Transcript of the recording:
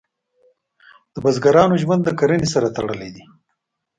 د بزګرانو ژوند د کرنې سره تړلی دی.